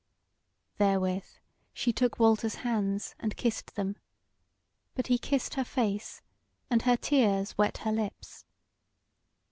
Therewith she took Walter's hands and kissed them; but he kissed her face, and her tears wet her lips.